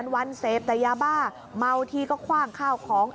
วันเสพแต่ยาบ้าเมาทีก็คว่างข้าวของ